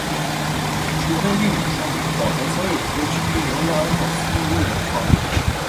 除非另有说明，否则所有歌曲均由拉斯谟人创作。